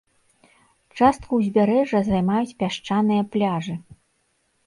Частку ўзбярэжжа займаюць пясчаныя пляжы.